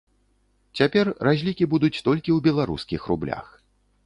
Цяпер разлікі будуць толькі ў беларускіх рублях.